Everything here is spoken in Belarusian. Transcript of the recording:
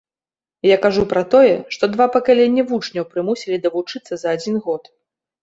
Я кажу пра тое, што два пакаленні вучняў прымусілі давучыцца за адзін год.